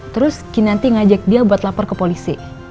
terus kinanti ngajak dia buat lapor ke polisi